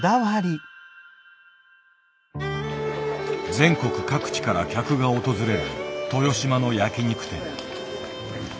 全国各地から客が訪れる豊島の焼き肉店。